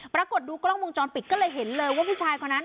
ปรากฏดูกล้องวงจรปิดก็เลยเห็นเลยว่าผู้ชายคนนั้น